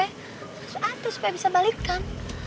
terus tante supaya bisa balikan